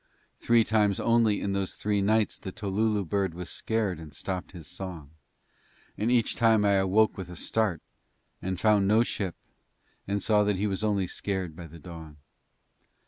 Three times only in those three nights the tolulu bird was scared and stopped his song, and each time I awoke with a start and found no ship and saw that he was only scared by the dawn.